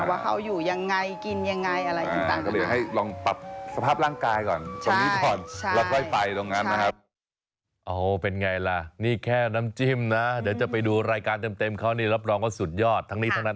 ว่าเขาอยู่อย่างไรกินอย่างไรอะไรต่าง